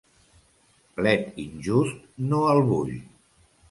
Plet injust no el vull.